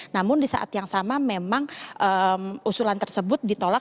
namun di saat yang sama memang usulan tersebut ditolak